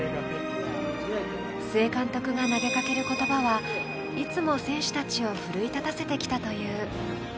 須江監督が投げかける言葉はいつも選手たちを奮い立たせてきたという。